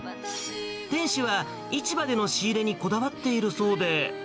店主は、市場での仕入れにこだわっているそうで。